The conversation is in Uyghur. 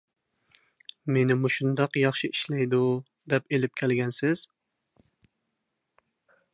مېنى مۇشۇنداق ياخشى ئىشلەيدۇ دەپ ئېلىپ كەلگەنسىز؟